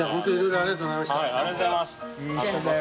ありがとうございます。